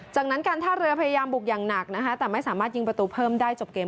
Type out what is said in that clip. จากนั้นการท่าเรือพยายามบุกอย่างหนักนะคะแต่ไม่สามารถยิงประตูเพิ่มได้จบเกม